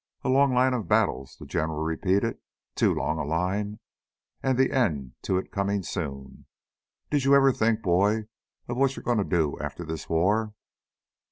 "A long line of battles," the General repeated, "too long a line an end to it comin' soon. Did you ever think, boy, of what you were goin' to do after the war?"